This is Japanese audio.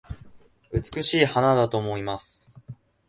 美しい花だと思います